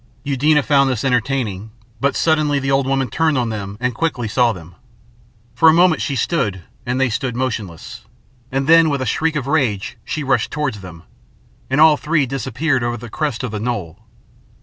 Eudena found this entertaining, but suddenly the old woman turned on them quickly and saw them. For a moment she stood and they stood motionless, and then with a shriek of rage, she rushed towards them, and all three disappeared over the crest of the knoll.